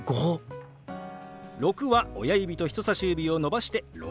「６」は親指と人さし指を伸ばして「６」。